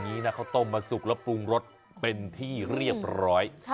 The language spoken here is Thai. นี้นะเขาต้มมาสุกแล้วปรุงรสเป็นที่เรียบร้อย